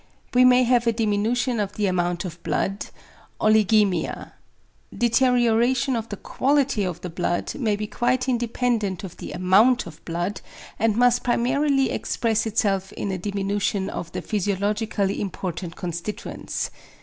We may have a diminution of the amount of blood "=Oligæmia=." Deterioration of the quality of the blood may be quite independent of the amount of blood, and must primarily express itself in a diminution of the physiologically important constituents.